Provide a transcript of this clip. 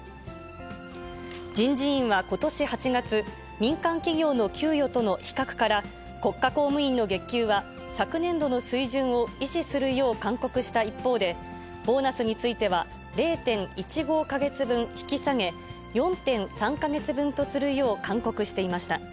人事院はことし８月、民間企業の給与との比較から、国家公務員の月給は昨年度の水準を維持するよう勧告した一方で、ボーナスについては、０．１５か月分引き下げ、４．３か月分とするよう勧告していました。